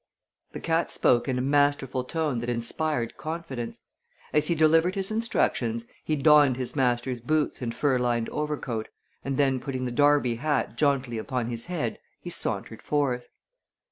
The cat spoke in a masterful tone that inspired confidence. As he delivered his instructions he donned his master's boots and fur lined overcoat, and then putting the derby hat jauntily upon his head he sauntered forth.